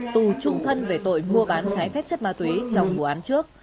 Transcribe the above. tù trung thân về tội mua bán trái phép chất ma túy trong vụ án trước